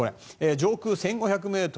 上空１５００ｍ。